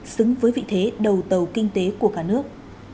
xứng với vị thế đầu tàu kinh tế của cả nước